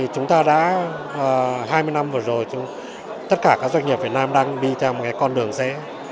chúng ta đã hai mươi năm vừa rồi tất cả các doanh nghiệp việt nam đang đi theo một con đường dễ